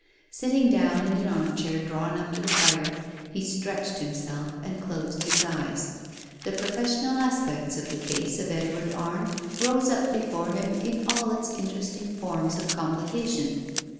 Sit ting down in an arm chair drawn up to the fire, he stretched himself and closed his eyes. The professional aspects of the case of Edward Arne rose up before him in all its interesting forms of complication.